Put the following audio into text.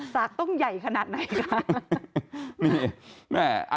สากต้องใหญ่ขนาดไหนคะ